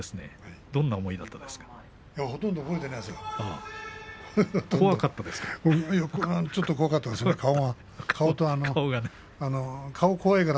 どんな思いだったんですか。